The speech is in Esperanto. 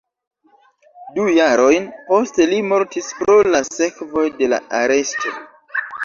Du jarojn poste li mortis pro la sekvoj de la aresto.